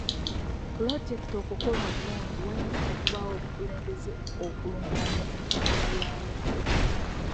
Pulojekiti okukola obulungi walina okubaawo omukulembeze okulungamya entambula yaayo.